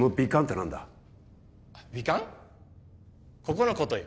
ここのことよ